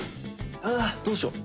うわどうしよう？